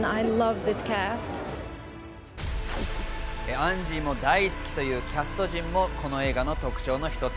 アンジーも大好きというキャスト陣もこの映画の特徴の一つ。